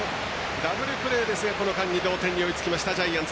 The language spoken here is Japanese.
ダブルプレーですがこの間に同点に追いついたジャイアンツ。